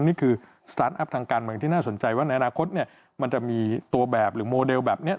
นี่คือสตาร์ทอัพทางการเมืองที่น่าสนใจว่าในอนาคตมันจะมีตัวแบบหรือโมเดลแบบนี้